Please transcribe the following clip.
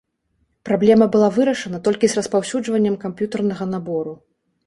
Праблема была вырашана толькі з распаўсюджваннем камп'ютэрнага набору.